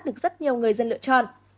được rất nhiều người dân lựa chọn